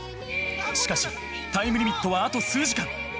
しかしタイムリミットはあと数時間。